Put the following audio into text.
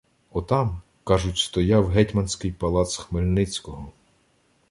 — Отам, кажуть, стояв гетьманський палац Хмельницького.